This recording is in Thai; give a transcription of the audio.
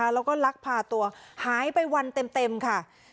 แล้วก็ลักพาตัวหายไปวันเต็มค่ะ